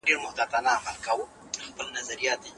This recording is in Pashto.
تېره شپه په اسمان کې تندر وغورځېد.